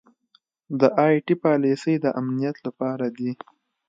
دا ائ ټي پالیسۍ د امنیت لپاره دي.